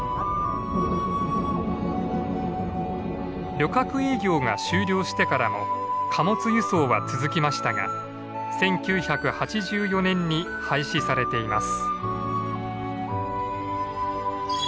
旅客営業が終了してからも貨物輸送は続きましたが１９８４年に廃止されています。